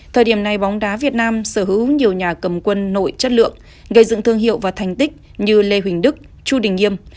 thời điểm này bóng đá việt nam sở hữu nhiều nhà cầm quân nổi chất lượng gây dựng thương hiệu và thành tích như lê huỳnh đức chu đình nghiêm